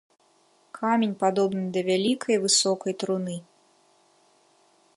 Камень падобны да вялікай і высокай труны.